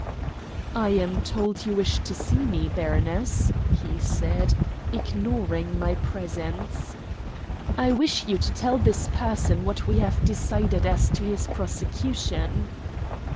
"I am told you wish to see me, baroness," he said, ignoring my presence. "I wish you to tell this person what we have decided as to his prosecution."